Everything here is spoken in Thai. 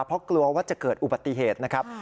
เพราะกลัวว่าจะเกิดอุบัติเหตุนะครับ